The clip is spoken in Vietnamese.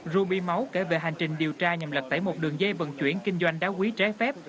rubi máu kể về hành trình điều tra nhằm lật tẩy một đường dây vận chuyển kinh doanh đá quý trái phép